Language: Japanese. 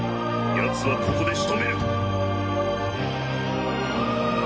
ヤツはここでしとめる！